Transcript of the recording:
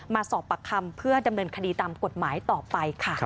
มาสอบปากคำเพื่อดำเนินคดีตามกฎหมายต่อไปค่ะ